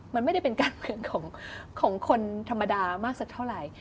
มันไม่ได้เป็นการเมืองของคนธรรมดามากสักเท่าไหร่